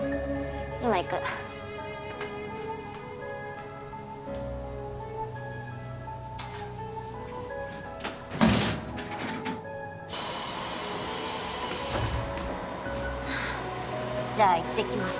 今行くじゃあ行ってきます